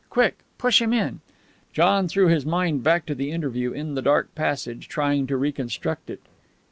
Quick! Push him in!" John threw his mind back to the interview in the dark passage, trying to reconstruct it.